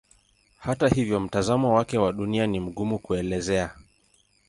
Hata hivyo mtazamo wake wa Dunia ni mgumu kuelezea.